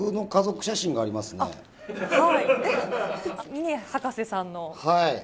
峰博士さんの。